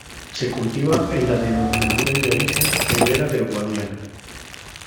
Se cultiva en la Denominación de Origen Ribera del Guadiana.